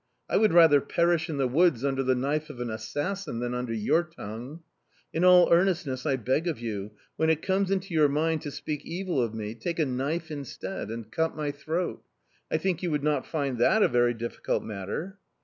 "I would rather perish in the woods under the knife of an assassin than under your tongue... In all earnestness I beg of you: when it comes into your mind to speak evil of me, take a knife instead and cut my throat. I think you would not find that a very difficult matter."